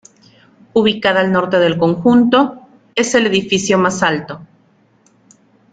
Ubicada al norte del conjunto, es el edificio más alto.